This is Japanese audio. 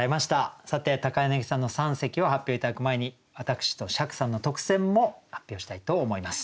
さて柳さんの三席を発表頂く前に私と釈さんの特選も発表したいと思います。